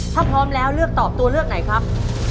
ถ้าพร้อมแล้วเลือกตอบตัวเลือกไหนครับ